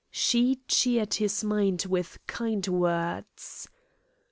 She cheered his mind with kind words.